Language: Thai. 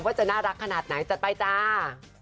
จะน่ารักขนาดไหนจัดไปจ้า